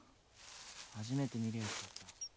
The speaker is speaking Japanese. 初めて見るやつだった。